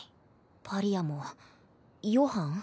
パリアもヨハン？